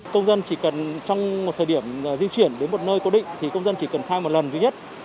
công dân chỉ cần trong một thời điểm di chuyển đến một nơi cố định thì công dân chỉ cần khai một lần duy nhất